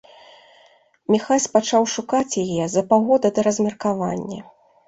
Міхась пачаў шукаць яе за паўгода да размеркавання.